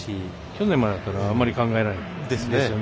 去年までだったらあんまり考えられないですよね。